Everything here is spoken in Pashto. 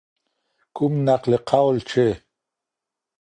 کوم نقل قول چي